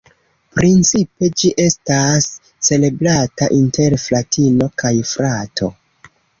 Principe ĝi estas celebrata inter fratino kaj frato.